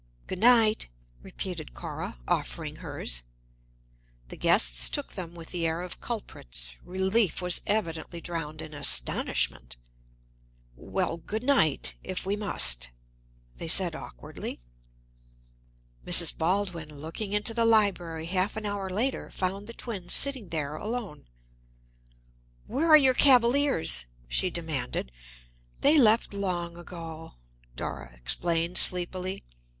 "Good night," repeated Cora, offering hers. The guests took them with the air of culprits; relief was evidently drowned in astonishment. "Well, good night if we must," they said awkwardly. Mrs. Baldwin, looking into the library half an hour later, found the twins sitting there alone. "Where are your cavaliers?" she demanded. "They left long ago," Dora explained sleepily.